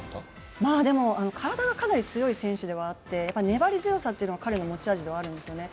体がかなり強い選手ではあって粘り強さが彼の持ち味ではあるんですよね。